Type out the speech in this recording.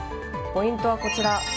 ポイントはこちら。